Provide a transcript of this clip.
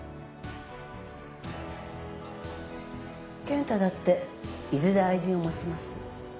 健太だっていずれ愛人を持ちます。